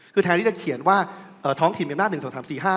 คือแทนที่จะเขียนว่าท้องถิ่นอำนาจ๑๒๓๔๕